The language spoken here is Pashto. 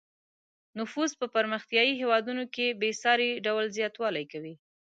نفوس په پرمختیايي هېوادونو کې په بې ساري ډول زیاتوالی کوي.